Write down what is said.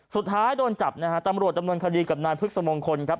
สุดท้ายโดนจับนะฮะตำรวจดำเนินคดีกับนายพฤกษมงคลครับ